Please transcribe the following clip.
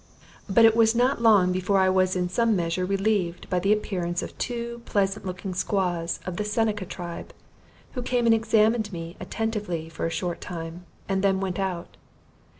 But it was not long before I was in some measure relieved by the appearance of two pleasant looking squaws of the Seneca tribe, who came and examined me attentively for a short time, and then went out.